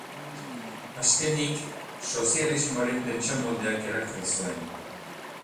Azkenik, sozialismoaren pentsamoldeak erakarri zuen.